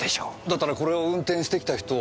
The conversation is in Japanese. だったらこれを運転してきた人は。